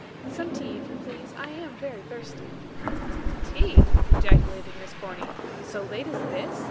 "Some tea, if you please, I am very thirsty." "Tea!" ejaculated Miss Corny. "So late as this!